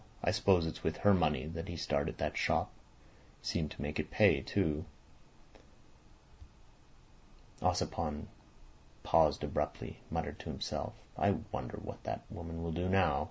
I suppose it's with her money that he started that shop. Seemed to make it pay, too." Ossipon paused abruptly, muttered to himself "I wonder what that woman will do now?"